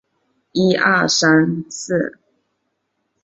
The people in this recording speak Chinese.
本德然人口变化图示